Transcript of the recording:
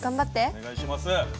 お願いします。